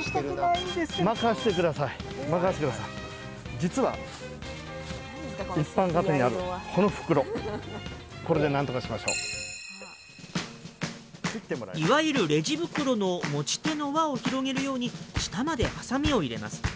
実はいわゆるレジ袋の持ち手の輪を広げるように下までハサミを入れます。